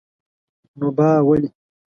نو با ولي?